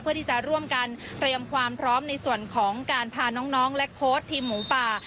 เพื่อที่จะร่วมกันเตรียมความพร้อมในส่วนของการพาน้องและโค้ดทีมหมูป่า